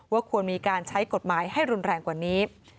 ควรมีการใช้กฎหมายให้รุนแรงกว่านี้